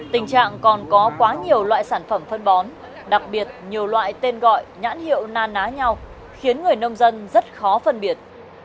tình trạng còn có quá nhiều loại sản phẩm phân bón đặc biệt nhiều loại tên gọi nhãn hiệu na ná nhau khiến người nông dân rất khó phân biệt